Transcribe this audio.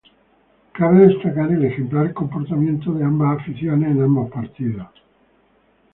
Cabe destacar el ejemplar comportamiento de ambas aficiones en ambos partidos.